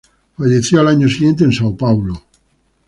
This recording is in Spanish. Falleció al año siguiente en São Paulo.